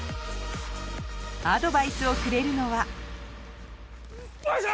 アドバイスをくれるのはよいしょ！